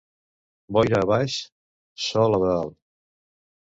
Boira a baix, sol a dalt.